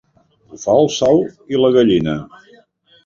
Ho fa el sol i la gallina.